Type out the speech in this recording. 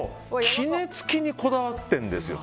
きねつきにこだわってるんです。